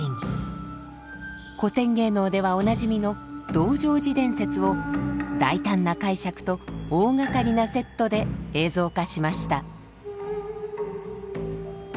古典芸能ではおなじみの道成寺伝説を大胆な解釈と大掛かりなセットで映像化しました。